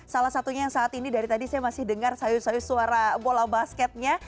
salah satunya yang saat ini dari tadi saya masih dengar sayup sayup suara bola basketnya